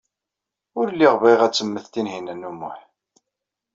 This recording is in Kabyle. Ur lliɣ bɣiɣ ad temmet Tinhinan u Muḥ.